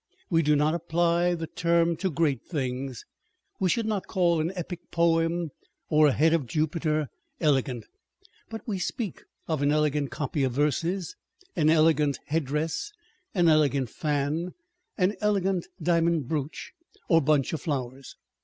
We do not apply the term to great things : we should not call an epic poem or a head of Jupiter elegant, but we speak of an elegant copy of verses, an elegant headdress, an elegant fan, an elegant diamond brooch, or bunch of flowers.